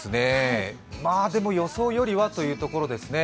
でも予想よりはというところですね。